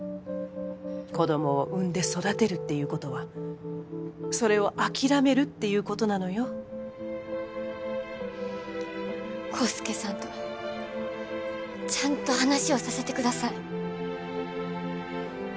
子供を産んで育てるっていうことはそれを諦めるっていうことなのよ康介さんとちゃんと話をさせてください